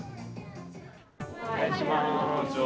お願いします。